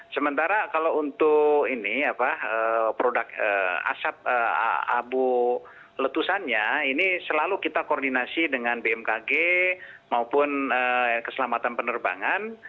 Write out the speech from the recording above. sementara kalau untuk ini produk asap abu letusannya ini selalu kita koordinasi dengan bmkg maupun keselamatan penerbangan